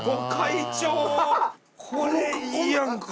これいいやんか。